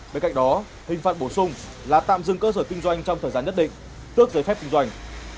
bên cạnh đó hình phạt bổ sung là tạm dừng cơ sở kinh doanh trong thời gian nhất định tước giấy phép kinh doanh